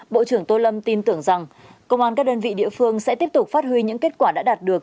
bộ trưởng tô lâm tin tưởng rằng công an các đơn vị địa phương sẽ tiếp tục phát huy những kết quả đã đạt được